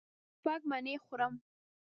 زه شپږ مڼې خورم.